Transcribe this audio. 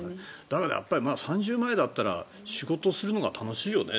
だけど３０前だったら仕事をするのが楽しいよね。